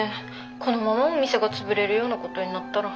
このままお店が潰れるようなことになったら。